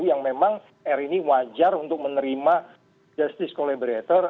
yang memang r ini wajar untuk menerima justice collaborator